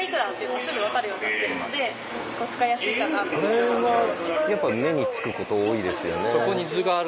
これはやっぱり目につくこと多いですよね。